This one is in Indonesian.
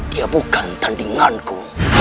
dia bukan tandinganku